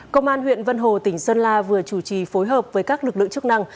công an huyện vân hồ tỉnh sơn la vừa chủ trì phối hợp với các lực lượng chức năng